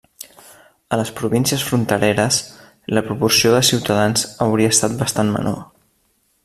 A les províncies frontereres, la proporció de ciutadans hauria estat bastant menor.